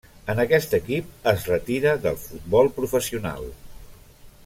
En aquest equip es retira del futbol professional.